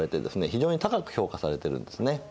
非常に高く評価されてるんですね。